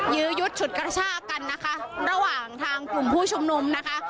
ยื้อยุดฉุดกระชากันนะคะระหว่างทางกลุ่มผู้ชุมนุมนะคะ